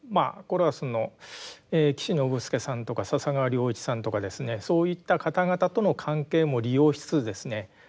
これはその岸信介さんとか笹川良一さんとかですねそういった方々との関係も利用しつつですね